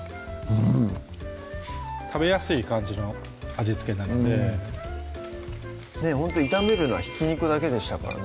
うん食べやすい感じの味付けなのでうんほんと炒めるのはひき肉だけでしたからね